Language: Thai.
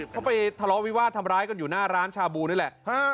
เขาไปทะเลาะวิวาดทำร้ายกันอยู่หน้าร้านชาบูนี่แหละ